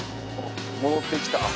戻ってきた。